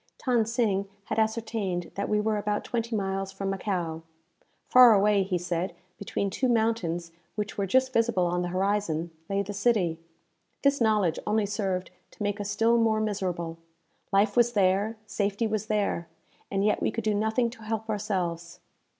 Than Sing had ascertained that we were about twenty miles from Macao. Far away, he said, between two mountains which were just visible on the horizon, lay the city. This knowledge only served to make us still more miserable. Life was there, safety was there, and yet we could do nothing to help ourselves!